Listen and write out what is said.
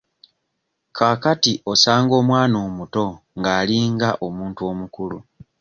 Kaakati osanga omwana omuto nga alinga omuntu omukulu.